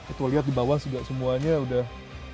itu lihat di bawah juga semuanya udah